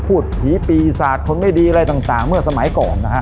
พูดผีปีศาจคนไม่ดีอะไรต่างเมื่อสมัยก่อนนะฮะ